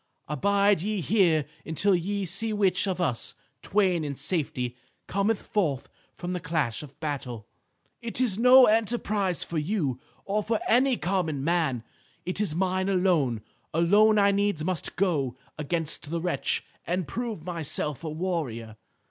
Abide ye here until ye see which of us twain in safety cometh forth from the clash of battle. "It is no enterprise for you, or for any common man. It is mine alone. Alone I needs must go against the wretch and prove myself a warrior.